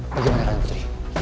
bagaimana karna putri